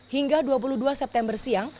hingga dua puluh dua september siang